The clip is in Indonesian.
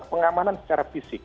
pengamanan secara fisik